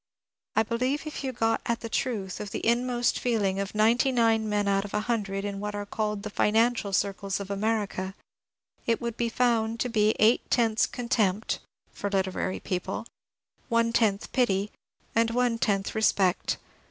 I believe if you got at the truth of the inmost feeling of ninety nine men out of a hundred in what are called the ^^ financial circles " of America it would be found to be eight tenths contempt (for literary people), one tenth pity, and one tenth respect.